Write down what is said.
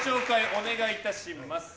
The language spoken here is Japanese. お願いいたします。